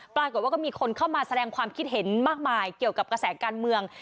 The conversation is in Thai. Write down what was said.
ปรากฏว่าก็มีคนเข้ามาแสดงความคิดเห็นมากมายเกี่ยวกับกระแสการเมือง